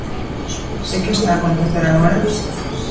E ¿que está a acontecer agora?